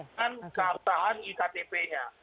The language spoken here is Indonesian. dengan keabsahan iktp nya